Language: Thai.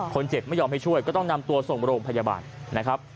ไม่ยอมให้ช่วยก็ต้องนำตัวส่งโรงพยาบาลนะครับ